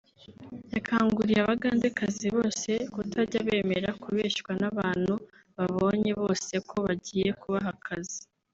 yakanguriye Abagandekazi bose kutajya bemera kubeshywa n’abantu babonye bose ko bagiye kubaha akazi